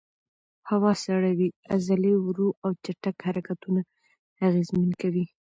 هوا سړه وي، عضلې ورو او چټک حرکتونه اغېزمن کوي.